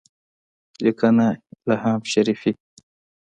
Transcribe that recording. لیکنه: الهام شریفی